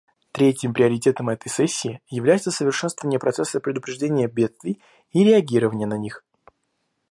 Третьим приоритетом этой сессии является совершенствование процесса предупреждения бедствий и реагирования на них.